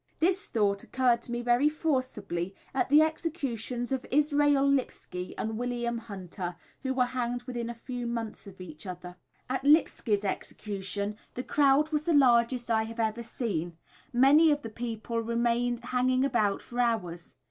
This thought occurred to me very forcibly at the executions of Israel Lipski and William Hunter, who were hanged within a few months of each other. [Illustration: Israel Lipski.] At Lipski's execution the crowd was the largest I have ever seen, many of the people remained hanging about for hours.